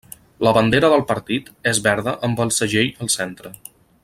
La bandera del partit és verda amb el segell al centre.